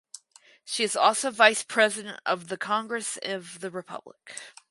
She is also Vice President of the Congress of the Republic.